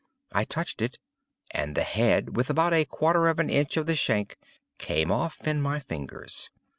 I touched it; and the head, with about a quarter of an inch of the shank, came off in my fingers.